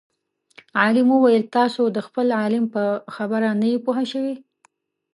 عالم وویل تاسو د خپل عالم په خبره نه یئ پوه شوي.